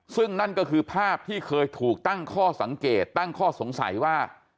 ซึ่งนั่นก็คือภาพที่เคยถูกตั้งข้อสังเกตตั้งข้อสงสัยว่า